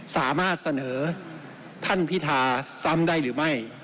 สามารถเสนอท่านพิธาซ้ำได้หรือไม่